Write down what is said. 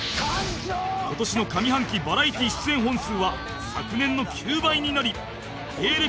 今年の上半期バラエティー出演本数は昨年の９倍になり芸歴